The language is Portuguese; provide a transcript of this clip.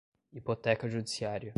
hipoteca judiciária